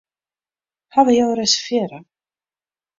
Hawwe jo reservearre?